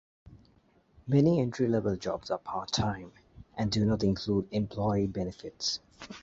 Many entry-level jobs are part-time, and do not include employee benefits.